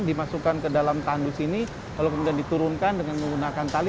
dimasukkan ke dalam tandus ini lalu kemudian diturunkan dengan menggunakan tali